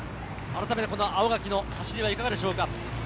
青柿の走りはいかがでしょうか？